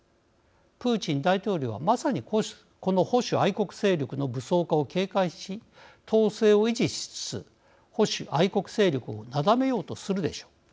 プーチン大統領はまさにこの保守愛国勢力の武装化を警戒し統制を維持しつつ保守愛国勢力をなだめようとするでしょう。